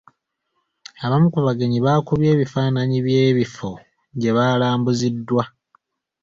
Abamu ku bagenyi baakubye ebifaananyi by'ebifo gye baalambuziddwa.